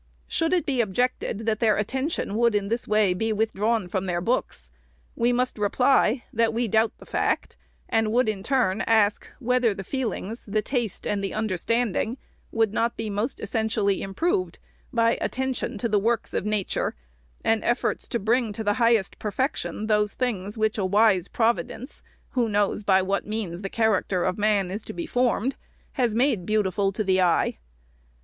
Should it be objected, that their attention would in this way be with drawn from their books, we must reply, that we doubt the fact, and would in turn ask whether the feelings, the taste, and the understanding would not be most essen tially improved by attention to the works of Nature, and efforts to bring to the highest perfection those things which a wise Providence, who knows by what means the character of man is to be formed, has made beautiful to the eye.